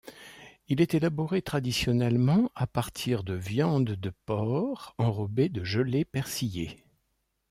Il est élaboré traditionnellement à partir de viande de porc enrobée de gelée persillée.